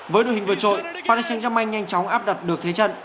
với đội hình vượt trội paris saint jackmin nhanh chóng áp đặt được thế trận